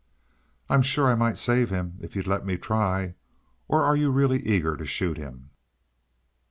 "I'm sure I might save him if you'd let me try. Or are you really eager to shoot him?"